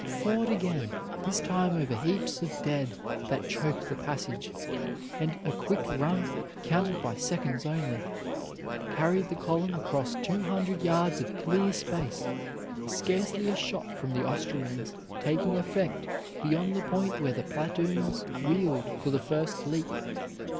Forward again, this time over heaps of dead that choked the passage, and a quick run, counted by seconds only, carried the column across two hundred yards of clear space, scarcely a shot from the Austrians taking effect beyond the point where the platoons wheeled for the first leap.